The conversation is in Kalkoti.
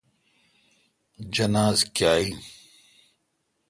جناز کاں این۔